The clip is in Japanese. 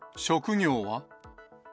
職業は？